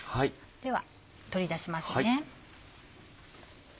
では取り出しますね。